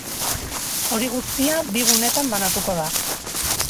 Hori guztia bi gunetan banatuko da.